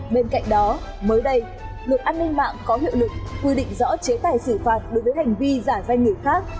bên cạnh đó mới đây luật an ninh mạng có hiệu lực quy định rõ chế tài xử phạt đối với hành vi giả danh người khác